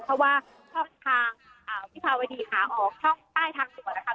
เพราะว่าช่องทางอ่าพี่ภาวิธีค่ะออกช่องใต้ทางด่วนนะคะ